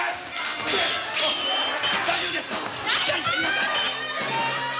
大丈夫ですか！？